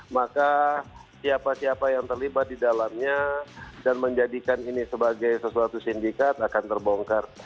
maka siapa siapa yang terlibat di dalamnya dan menjadikan ini sebagai sesuatu sindikat akan terbongkar